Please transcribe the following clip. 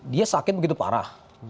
dia sakit begitu parah